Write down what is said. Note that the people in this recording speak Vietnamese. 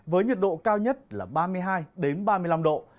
với nhiệt độ cao nhất là ba mươi hai ba mươi năm độ